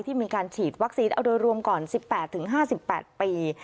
มีการฉีดวัคซีนเอาโดยรวมก่อน๑๘๕๘ปี